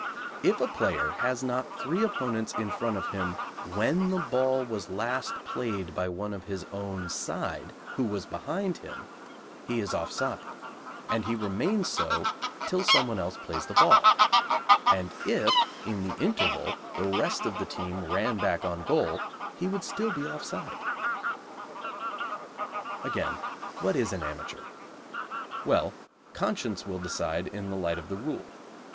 If a player has not three opponents in front of him when the ball was last played by one of his own side, who was behind him, he is offside, and he remains so till someone else plays the ball, and if in the interval the rest of the team ran back on goal he would still be offside. Again, what is an amateur? Well, conscience will decide in the light of the rule.